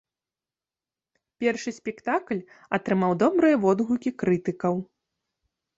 Першы спектакль атрымаў добрыя водгукі крытыкаў.